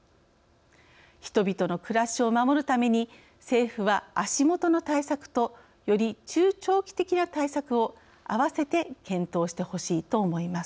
人々の暮らしを守るために政府は、足元の対策とより中長期的な対策を併せて検討してほしいと思います。